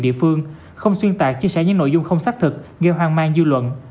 địa phương không xuyên tạc chia sẻ những nội dung không xác thực gây hoang mang dư luận